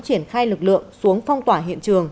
triển khai lực lượng xuống phong tỏa hiện trường